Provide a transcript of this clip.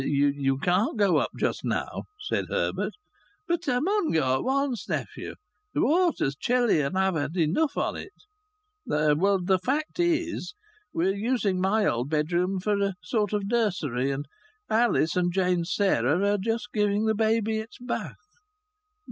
"You can't go up just now," said Herbert. "But I mun go at once, nephew. Th' water's chilly, and I've had enough on it." "The fact is we're using my old bedroom for a sort of a nursery, and Alice and Jane Sarah are just giving the baby its bath."